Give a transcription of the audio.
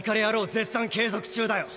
絶賛継続中だよ。